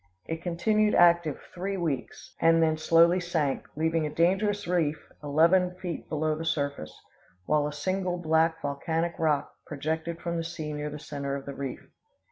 It continued active three weeks, and then slowly sank, leaving a dangerous reef eleven feet below the surface; while a single black volcanic rock projected from the sea near the center of the reef.